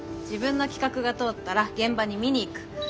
自分の企画が通ったら現場に見に行く。